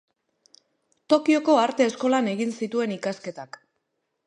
Tokioko Arte Eskolan egin zituen ikasketak.